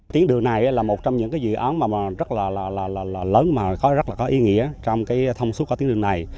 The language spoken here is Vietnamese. tiến đường này là một trong những dự án rất là lớn và rất là có ý nghĩa trong thông suất của tiến đường này